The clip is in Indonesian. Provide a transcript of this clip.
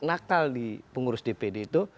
nakal di pengurus dpd itu